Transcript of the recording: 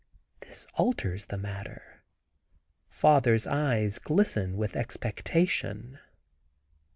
This alters the matter; father's eyes glisten with expectation.